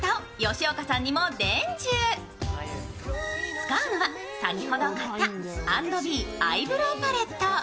使うのは先ほど買った＆ｂｅアイブロウパレット。